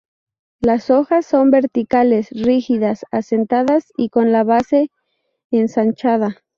Las hojas son verticales, rígidas, asentadas y con la base ensanchada.